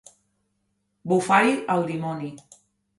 Bufar-hi el dimoni.